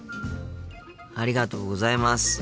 ありがとうございます。